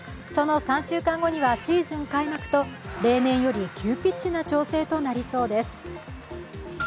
その３週間後にはシーズン開幕と例年より急ピッチな調整となりそうです。